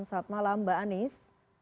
selamat malam mbak anies